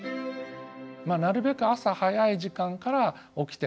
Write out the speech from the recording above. なるべく朝早い時間から起きて。